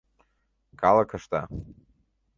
— Калык ышта.